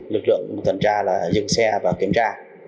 lực lượng tuần tra là dừng xe và kiểm tra